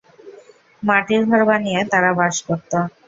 মাটির ঘর বানিয়ে তারা বাস করত।